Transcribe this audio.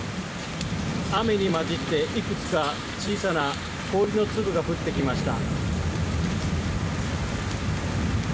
雨に交じって、いくつか小さな氷の粒が降ってきました。